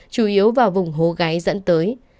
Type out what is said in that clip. chủ yếu vào vùng hố gáy dẫn tới